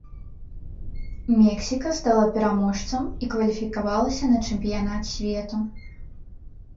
Мексіка стала пераможцам і кваліфікавалася на чэмпіянат свету.